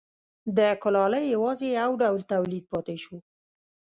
د کولالۍ یوازې یو ډول تولید پاتې شو.